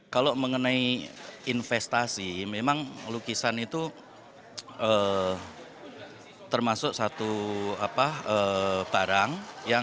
kalau mengenai investasi memang lukisan itu termasuk satu barang